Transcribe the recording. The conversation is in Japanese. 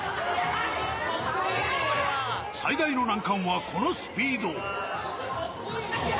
最大の難関は、このスピード。